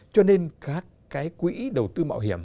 cho nên các quỹ đầu tư bảo hiểm